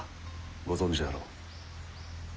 ご存じであろう？